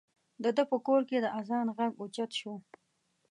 د ده په کور کې د اذان غږ اوچت شو.